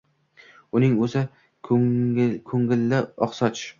Uning o‘zi ko‘ngilli oqsoch: